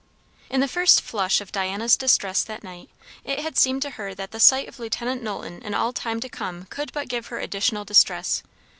In the first flush of Diana's distress that night, it had seemed to her that the sight of Lieut. Knowlton in all time to come could but give her additional distress.